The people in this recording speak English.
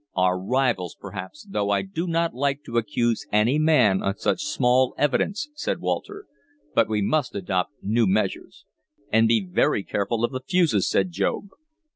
"Our rivals, perhaps, though I do not like to accuse any man on such small evidence," said Walter. "But we must adopt new measures." "And be very careful of the fuses," said Job.